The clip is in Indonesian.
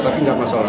tapi nggak masalah